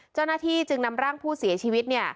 เจ้าหน้าที่จึงนำร่างผู้เสียชีวิต